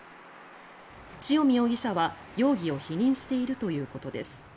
塩見容疑者は容疑を否認しているということです。